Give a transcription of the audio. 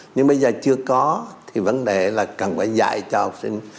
nhưng bây giờ chưa có thì vấn đề là cần phải dạy cho học sinh